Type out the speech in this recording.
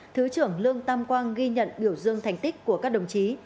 thứ trưởng lương tam quang ghi nhận biểu dương thành tích của các đồng chí